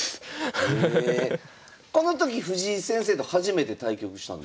この時藤井先生と初めて対局したんですか？